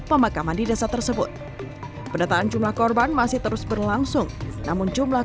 pemakaman di desa tersebut pendataan jumlah korban masih terus berlangsung namun jumlah